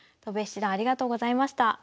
戸辺七段ありがとうございました。